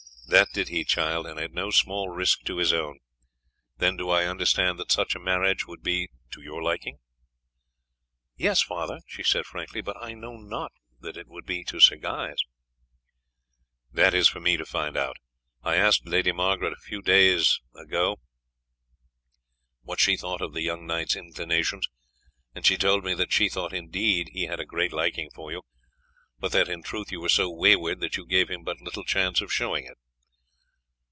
"That did he, child, and at no small risk to his own: Then do I understand that such a marriage would be to your liking?" "Yes, father," she said frankly, "but I know not that it would be to Sir Guy's." "That is for me to find out," he said. "I asked Lady Margaret a few days ago what she thought of the young knight's inclinations, and she told me that she thought indeed he had a great liking for you, but that in truth you were so wayward that you gave him but little chance of showing it."